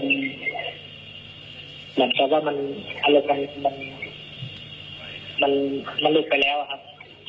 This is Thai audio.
ก็ต้องกล่าวเขามาเสียตายแล้วขอโทษด้วยครับ